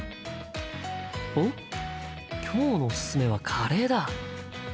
おっ今日のおすすめはカレーだ。